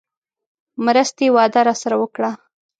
مرستې وعده راسره وکړه.